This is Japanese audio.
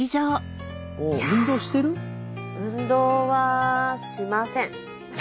運動はしません。